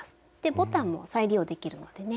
ボタンも再利用できるのでね